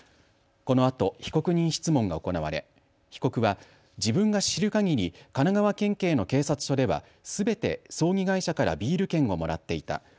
このあと被告人質問が行われ被告は自分が知るかぎり神奈川県警の警察署ではすべて葬儀会社からビール券をもらっていた。